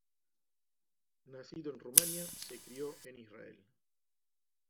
Nacido en Rumanía, se crio en Israel.